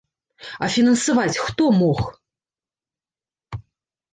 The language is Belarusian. А фінансаваць хто мог?